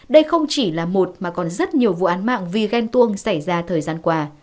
đây không chỉ là một mà còn rất nhiều vụ án mạng vì ghen tuông xảy ra thời gian qua